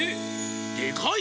でかい！